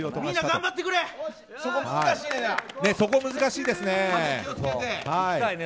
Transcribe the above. そこ難しいですね。